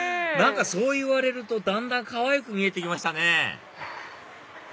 何かそう言われるとだんだんかわいく見えて来ましたね